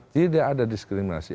tidak ada diskriminasi